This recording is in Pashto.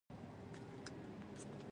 په دغو هېوادونو کې یې له ولسمشرانو لیدلي.